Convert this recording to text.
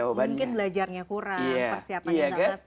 mungkin belajarnya kurang